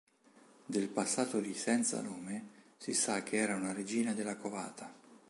Del passato di Senza-Nome si sa che era una regina della Covata.